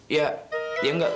ya ya enggak